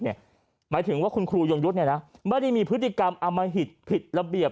หมายถึงว่าคุณครูยงยุทธ์ไม่ได้มีพฤติกรรมอมหิตผิดระเบียบ